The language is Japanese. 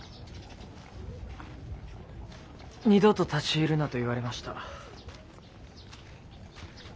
二度と立ち入るなと言われました。